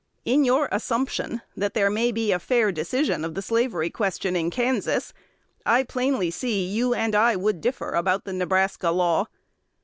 In your assumption that there may be a fair decision of the slavery question in Kansas, I plainly see you and I would differ about the Nebraska law.